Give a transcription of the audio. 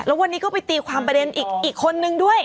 แล้ววันนี้ก็ไปตีความประเด็นอีกคนนึงด้วย